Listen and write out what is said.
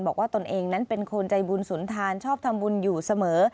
ตนเองนั้นเป็นคนใจบุญสุนทานชอบทำบุญอยู่เสมอ